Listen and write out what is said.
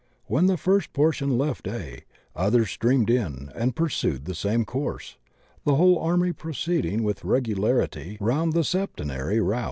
When the fijrst portion left A, others streamed in and pursued the same course, the whole army proceeding with regularity round the septenary route.